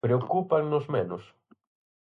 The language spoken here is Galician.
¿Preocúpannos menos?